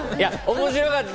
面白かった。